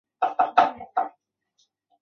殿试登进士第三甲第六十名。